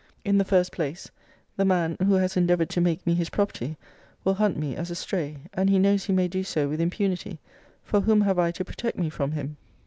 In the first place, the man, who has endeavoured to make me, his property, will hunt me as a stray: and he knows he may do so with impunity; for whom have I to protect me from him?